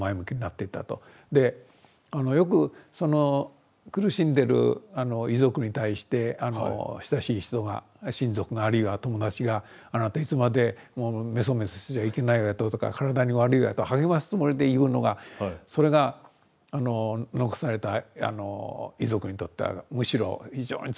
でよく苦しんでる遺族に対して親しい人が親族があるいは友達があなたいつまでもメソメソしてちゃいけないわよとか体に悪いわよと励ますつもりで言うのがそれが残された遺族にとってはむしろ非常につらい言葉になると。